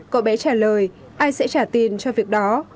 cậu bé trả lời ai sẽ trả tiền cho việc đó